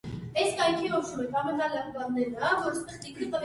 Խաղողի և խմորումների տարբեր տեսակներից ստացվում են տարբեր տեսակի գինիներ։